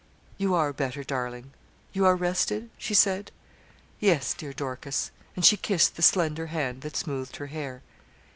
'You are better, darling; you are rested?' she said. 'Yes, dear Dorcas,' and she kissed the slender hand that smoothed her hair.